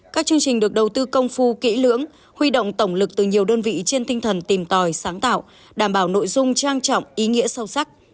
các chương trình được đầu tư công phu kỹ lưỡng huy động tổng lực từ nhiều đơn vị trên tinh thần tìm tòi sáng tạo đảm bảo nội dung trang trọng ý nghĩa sâu sắc